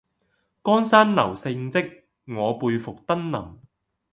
江山留勝跡，我輩復登臨。